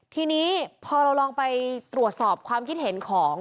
ทีนี้พอเราลองไปตรวจสอบความคิดเห็นของ